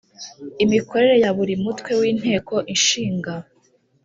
Imikorere ya buri mutwe w inteko ishinga